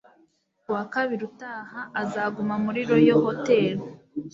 ku wa kabiri utaha, azaguma muri royal hotel